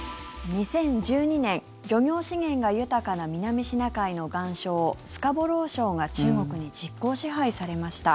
２０１２年漁業資源が豊かな南シナ海の岩礁スカボロー礁が中国に実効支配されました。